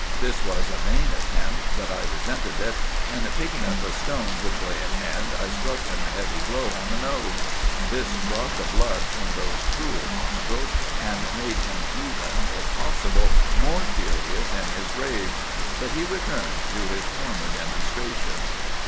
This was a vain attempt; but I resented it, and picking up a stone which lay at hand, I struck him a heavy blow on the nose. This brought the blood from those cruel nostrils, and made him even, if possible, more furious in his rage; but he returned to his former demonstrations.